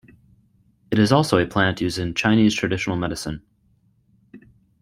It is also a plant used in Chinese traditional medicine.